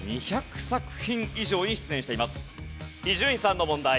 伊集院さんの問題。